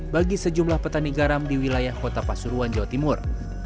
bagi sejumlah petani garam di wilayah kota pasuruan jawa timur